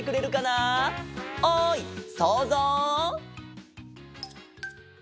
おいそうぞう！